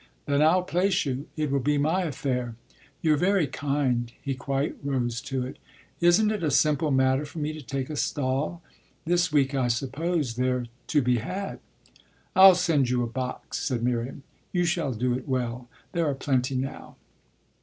"Then I'll place you. It will be my affair." "You're very kind" he quite rose to it. "Isn't it a simple matter for me to take a stall? This week I suppose they're to be had." "I'll send you a box," said Miriam. "You shall do it well. There are plenty now."